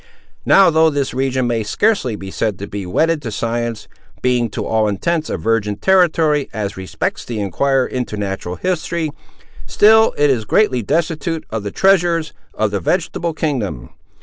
Now, though this region may scarcely be said to be wedded to science, being to all intents a virgin territory as respects the enquirer into natural history, still it is greatly destitute of the treasures of the vegetable kingdom.